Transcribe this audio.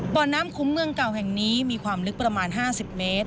บ่อน้ำขุมเมืองเก่าแห่งนี้มีความลึกประมาณ๕๐เมตร